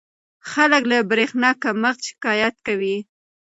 خلک له برېښنا کمښت شکایت کوي.